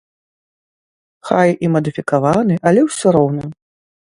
Хай і мадыфікаваны, але ўсё роўна.